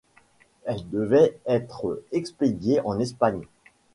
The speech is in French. Elles devaient être expédiées en Espagne.